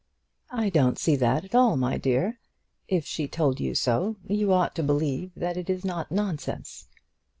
"I don't see that at all, my dear. If she told you so, you ought to believe that it is not nonsense."